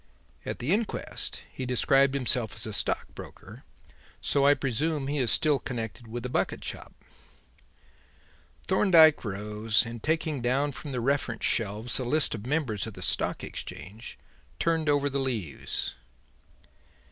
"At the inquest he described himself as a stockbroker, so I presume he is still connected with the bucket shop." Thorndyke rose, and taking down from the reference shelves a list of members of the Stock Exchange, turned over the leaves.